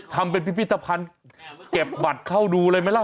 ทำเป็นพิพิธภัณฑ์เก็บบัตรเข้าดูเลยไหมล่ะ